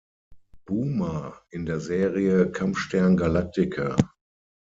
Boomer in der Serie "Kampfstern Galactica".